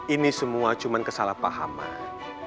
ini semua cuma kesalahpahaman